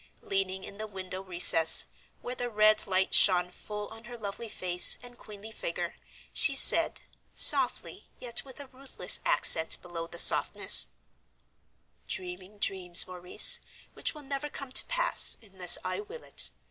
Leaning in the window recess, where the red light shone full on her lovely face and queenly figure, she said, softly yet with a ruthless accent below the softness, "Dreaming dreams, Maurice, which will never come to pass, unless I will it.